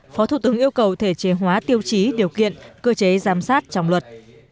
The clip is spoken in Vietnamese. phó thủ tướng yêu cầu thể chế hóa tiêu chí điều kiện cơ chế giám sát trong luật